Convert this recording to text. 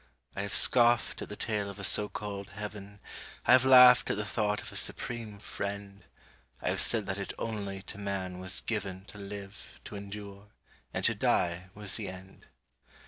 I have scoffed at the tale of a so called heaven; I have laughed at the thought of a Supreme Friend; I have said that it only to man was given To live, to endure; and to die was the end.